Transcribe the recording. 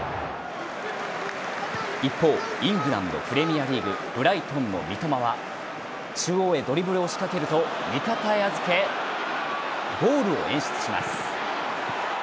一方イングランドプレミアリーグブライトンの三笘は中央へドリブルを仕掛けると味方へ預けゴールを演出します。